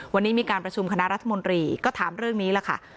วันนี้มีการประชุมคณะรัฐมนตรีก็ถามเรื่องนี้ล่ะค่ะ